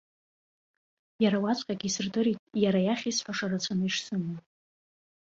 Иара уаҵәҟьагьы исырдырит иара иахь исҳәаша рацәаны ишсымоу.